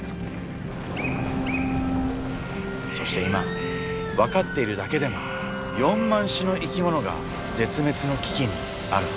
そして今分かっているだけでも４万種の生き物が絶滅の危機にあるんですよ。